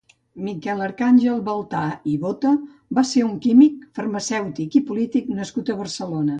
Miquel Arcàngel Baltà i Botta va ser un químic, farmacèutic i polític nascut a Barcelona.